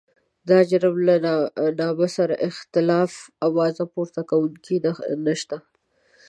د جرم له نامه سره د اختلاف اواز پورته کوونکی نشته.